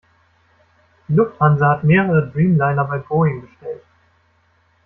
Die Lufthansa hat mehrere Dreamliner bei Boeing bestellt.